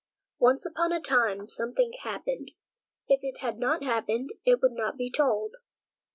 Once upon a time something happened. If it had not happened, it would not be told.